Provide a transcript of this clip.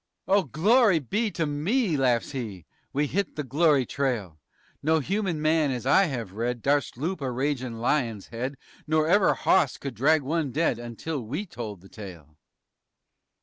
"Oh, glory be to me," laughs he. "We hit the glory trail. No human man as I have read Darst loop a ragin' lion's head, Nor ever hawse could drag one dead _Until we told the tale.